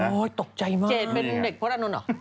โหตกใจมากเจียดเป็นเด็กพสรานุนหรอ